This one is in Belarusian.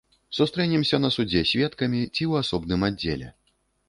Сустрэнемся на судзе сведкамі ці ў асобным аддзеле.